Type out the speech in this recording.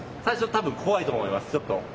最初多分怖いと思いますちょっと。